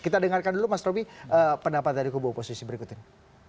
kita dengarkan dulu mas robi pendapat dari keputusan berikut ini